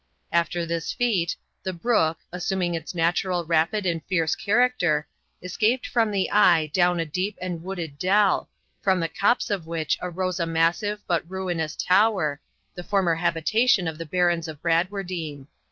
After this feat, the brook, assuming its natural rapid and fierce character, escaped from the eye down a deep and wooded dell, from the copse of which arose a massive, but ruinous tower, the former habitation of the Barons of Bradwardine.